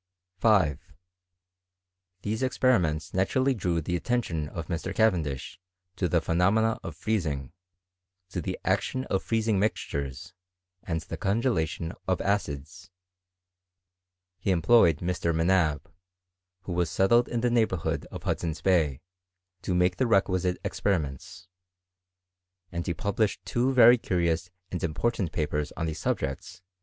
5. These experiments naturally drew the attention of Mr. Cavendish to the phenomena of freezing, to the action of freezing mixtures, and the congelation of acids. He emj^oyed Mr. M'Nab, who was settled in the neighbourhooa of Hudson's Bay, to make the re^ quisite experiments; and he published two very curiom and important papers on these subjects in.